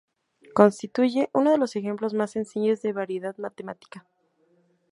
Constituye uno de los ejemplos más sencillos de variedad matemática.